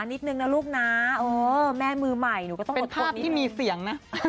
นิดนึงนะลูกนะแม่มือใหม่เป็นภาพที่มีเสียงนะ